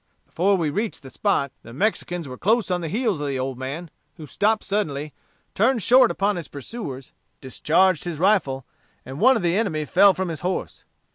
Before we reached the spot the Mexicans were close on the heels of the old man, who stopped suddenly, turned short upon his pursuers, discharged his rifle, and one of the enemy fell from his horse.